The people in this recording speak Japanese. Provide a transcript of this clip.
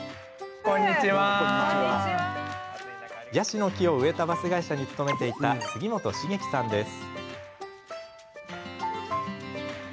ヤシの木を植えたバス会社に勤めていた杉本繁喜さんです。